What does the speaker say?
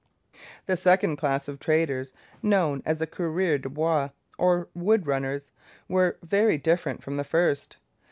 The second class of traders, known as coureurs de bois, or wood runners, were very different from the first.